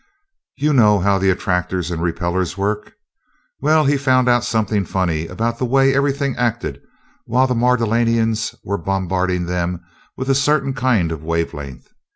You know how the attractors and repellers work? Well, he found out something funny about the way everything acted while the Mardonalians were bombarding them with a certain kind of a wave length.